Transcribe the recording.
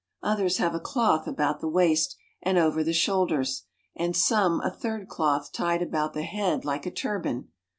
Others have a cloth about the waist and over the shoulders, and some a third cloth tied about the head like a turban.